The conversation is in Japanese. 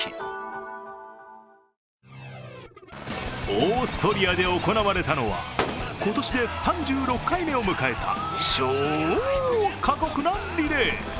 オーストリアで行われたのは今年で３６回目を迎えた超過酷なリレー。